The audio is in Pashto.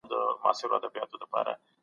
هغه د خپل کرامت پوره درناوی کړی دی.